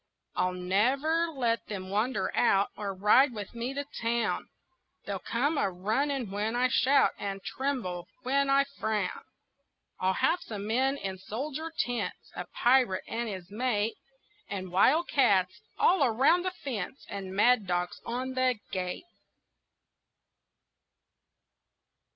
I'll never let them wander out Or ride with me to town; They'll come a running when I shout And tremble when I frown. I'll have some men in soldier tents, A pirate and his mate, And wildcats all around the fence, And mad dogs on the gate.